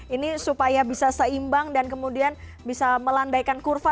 ini supaya bisa seimbang dan kemudian bisa melandaikan kurva